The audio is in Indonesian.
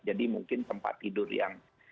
jadi mungkin tempat tidur yang